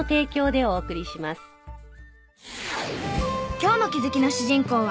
今日の気づきの主人公は。